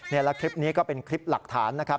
และคลิปนี้ก็เป็นคลิปหลักฐานนะครับ